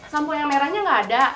sampel yang merahnya nggak ada